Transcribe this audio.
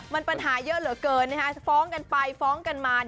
มันปัญหาเยอะเหลือเกินฟ้องกันไปฟ้องกันมา